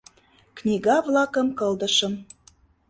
Книга-влакым кылдышым.